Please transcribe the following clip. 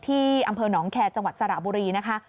ที่อำเภอหนองแคร์จังหวัดสระบุรีนะคะ